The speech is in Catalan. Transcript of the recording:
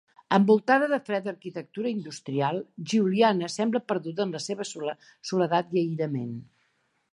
Envoltada de freda arquitectura industrial, Giuliana sembla perduda en la seva soledat i aïllament.